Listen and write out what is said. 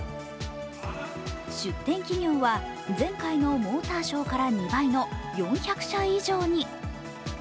出展企業は前回のモーターショーから２倍の４００社以上に。